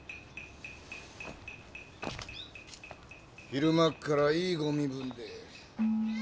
・昼間からいいご身分で。